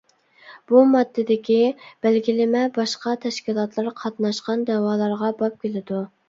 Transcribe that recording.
بۇ ماددىدىكى بەلگىلىمە باشقا تەشكىلاتلار قاتناشقا دەۋالارغا باب كېلىدۇ.